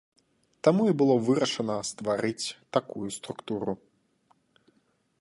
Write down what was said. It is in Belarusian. Таму і было вырашана стварыць такую структуру.